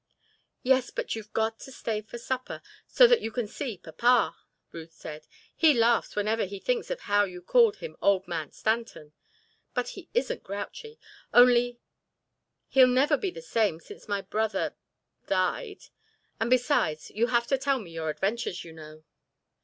"Yes, but you've got to stay to supper, so that you can see papa," Ruth said. "He laughs whenever he thinks of how you called him Old Man Stanton. But he isn't grouchy—only he'll never be the same since my brother—died. And besides, you have to tell me your adventures, you know."